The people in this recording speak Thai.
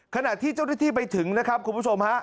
ขณะที่เจ้าหน้าที่ไปถึงนะครับคุณผู้ชมฮะ